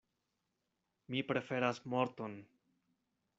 Mi preferas morton!